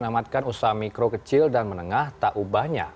menyelamatkan usaha mikro kecil dan menengah tak ubahnya